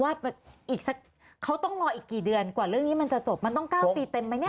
อีกสักเขาต้องรออีกกี่เดือนกว่าเรื่องนี้มันจะจบมันต้อง๙ปีเต็มไหมเนี่ย